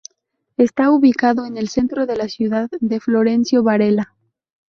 Está ubicado en el Centro de la Ciudad de Florencio Varela.